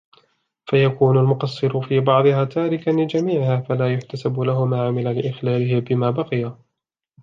فَيَكُونُ الْمُقَصِّرُ فِي بَعْضِهَا تَارِكًا لِجَمِيعِهَا فَلَا يُحْتَسَبُ لَهُ مَا عَمِلَ لِإِخْلَالِهِ بِمَا بَقِيَ